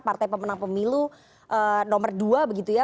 partai pemenang pemilu nomor dua begitu ya